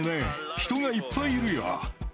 人がいっぱいいるよ。